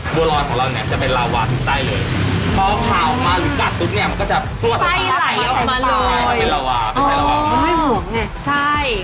บัวรอยของเราเนี้ยจะเป็นลาวาเป็นไส้เลยเพราะว่าพาออกมาหรือกาดตุ๊กเนี้ยมันก็จะพลวงออกมาไส้ไหลออกมาเลยใช่เป็นลาวาเป็นไส้ลาวามันให้ห่วงไงใช่